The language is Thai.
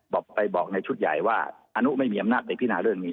บอกไปบอกในชุดใหญ่ว่าอนุไม่มีอำนาจไปพินาเรื่องนี้